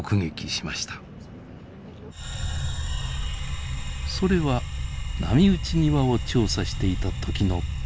それは波打ち際を調査していた時のこと。